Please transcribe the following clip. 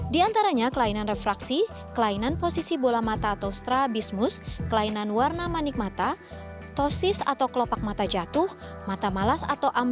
di antaranya kelainan refraksi kelainan posisi bola mata atau strabismus kelainan warna manik mata tosis atau kelopak mata jatuh mata malas atau kekosongan mata kekosongan mata atau kekosongan mata